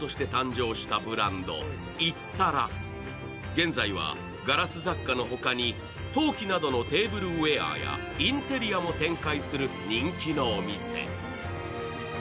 現在はガラス雑貨の他に陶器のなどのテーブルウエアやインテリアも展開する人気のお店。